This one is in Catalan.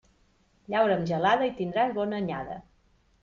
Llaura amb gelada i tindràs bona anyada.